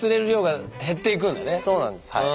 そうなんですはい。